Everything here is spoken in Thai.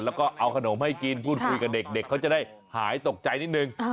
แล้วก็เอาขนมให้กินพูดคุยกับเด็กเขาจะได้หายตกใจนิดนึง